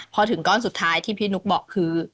พอถึงก้อนสุดท้ายที่พี่นุ๊กบอกคือ